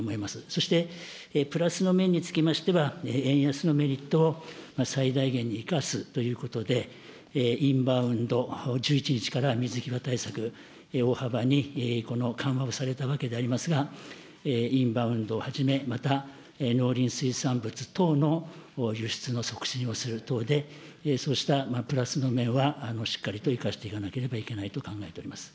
そしてプラスの面につきましては、円安のメリットを最大限に生かすということで、インバウンド、１１日から水際対策、大幅に緩和をされたわけでありますが、インバウンドをはじめ、また、農林水産物等の輸出の促進をする等で、そうしたプラスの面は、しっかりと生かしていかなければいけないと考えております。